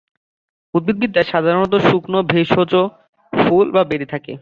উদ্ভিদবিদ্যায় সাধারণত শুকনো ভেষজ, ফুল বা বেরি থাকে।